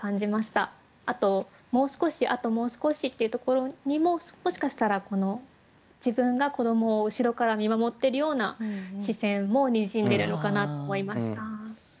あと「もう少しあともう少し」っていうところにももしかしたらこの自分が子どもを後ろから見守っているような視線もにじんでるのかなと思いました。